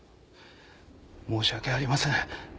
申し訳ありません。